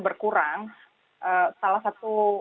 berkurang salah satu